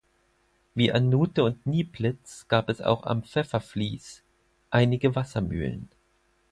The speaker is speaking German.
Wie an Nuthe und Nieplitz gab es auch am Pfefferfließ einige Wassermühlen.